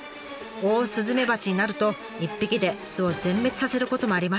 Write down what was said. オオスズメバチになると１匹で巣を全滅させることもあります。